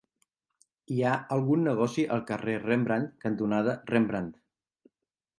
Hi ha algun negoci al carrer Rembrandt cantonada Rembrandt?